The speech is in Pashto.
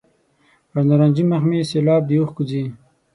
پر نارنجي مخ مې سېلاب د اوښکو ځي.